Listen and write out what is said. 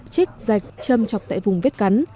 chích dạch châm chọc tại vùng vết cắn